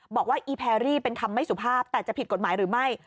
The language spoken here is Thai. อีแพรรี่เป็นคำไม่สุภาพแต่จะผิดกฎหมายหรือไม่